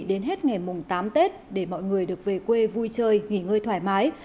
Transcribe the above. đến hết ngày mùng tám tết để mọi người được về quê vui chơi nghỉ ngơi thoải mái